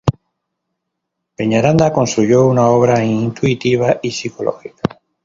Peñaranda construyó una obra intuitiva y psicológica.